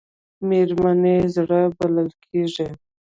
مېرمنې یې زړه بلل کېږي .